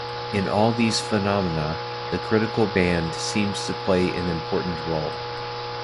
In all these phenomena, the critical band seems to play an important role.